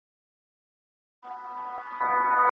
ژوند ځینې وختونه د یوې لنډې کیسې غوندې تېرېږي.